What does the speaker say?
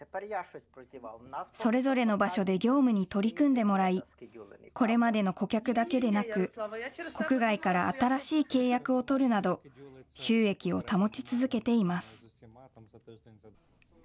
それぞれの場所で業務に取り組んでもらいこれまでの顧客だけでなく国外から新しい契約を取るなど収益を保ち続けています。